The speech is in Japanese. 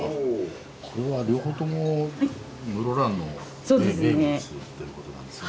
これは両方とも室蘭の名物ということなんですね。